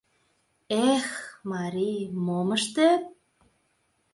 Эх, марий, мом ыштет?